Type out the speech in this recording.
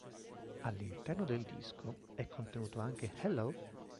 All'interno del disco è contenuto anche "Hello!